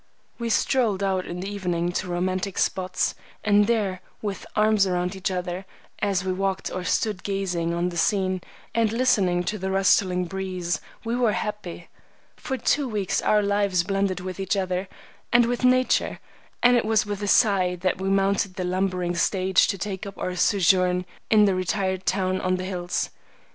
We strolled out in the evening to romantic spots, and there, with arms around each other, as we walked or stood gazing on the scene and listening to the rustling breeze, we were happy. For two weeks our lives blended with each other and with nature, and it was with a sigh that we mounted the lumbering stage to take up our sojourn in the retired town on the hills.